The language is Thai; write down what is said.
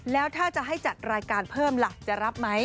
แล้วถ้าจะให้จัดรายการเพิ่มล่ะจะรับไหม